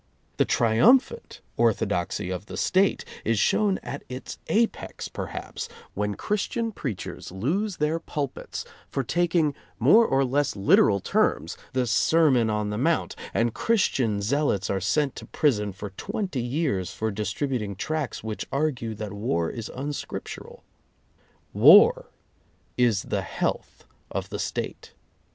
The triumphant ortho doxy of the State is shown at its apex perhaps when Christian preachers lose their pulpits for taking more or less literal terms the Sermon on [ 144] the Mount, and Christian zealots are sent to prison for twenty years for distributing tracts which argue that war is unscriptural. War is the health of the State.